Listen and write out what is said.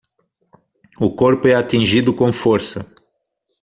O corpo é atingido com força